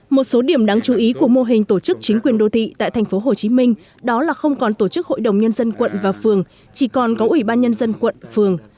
một số điểm đáng chú ý của mô hình tổ chức chính quyền đô thị tại tp hcm đó là không còn tổ chức hội đồng nhân dân quận và phường chỉ còn có ủy ban nhân dân quận phường